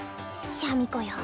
シャミ子よ